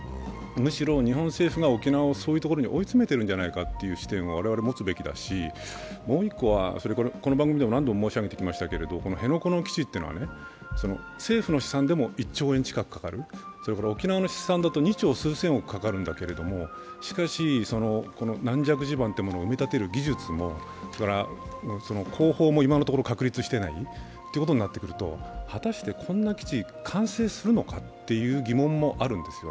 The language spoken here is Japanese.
むしろ日本政府が沖縄をそういうところに追い詰めているのではないかという視点を我々は持つべきだし、この番組でも繰り返し言っていましたけど辺野古基地っていうのは政府の試算では１兆円かかる、沖縄の試算だと二兆数千億かかるんだけれども軟弱地盤を埋め立てる技術も、工法も今のところ確立していないということになってくると果たしてこんな基地、完成するのかという疑問もあるんです。